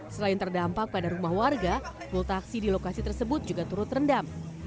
selain terdampak pada rumah warga pul taksi di lokasi tersebut juga turut rendam